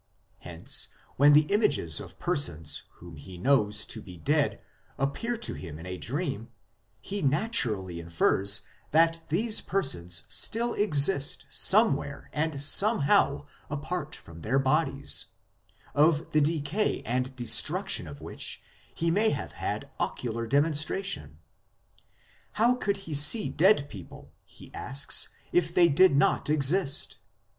Hence when the images of persons whom he knows to be dead appear to him in a dream, he naturally infers that these persons still exist somewhere and somehow apart from their bodies, of the decay and destruction of which he may have had ocular demonstra tion. How could he see dead people, he asks, if they did not exist